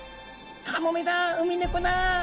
カモメだウミネコだ。